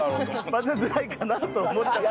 混ぜづらいかなと思っちゃった。